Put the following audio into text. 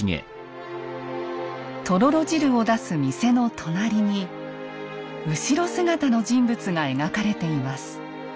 とろろ汁を出す店の隣に後ろ姿の人物が描かれています。